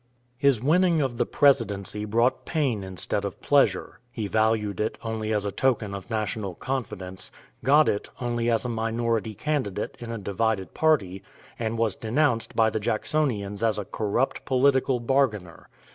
His winning of the Presidency brought pain instead of pleasure: he valued it only as a token of national confidence, got it only as a minority candidate in a divided party, and was denounced by the Jacksonians as a corrupt political bargainer.